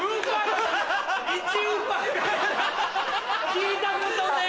聞いたことねえ！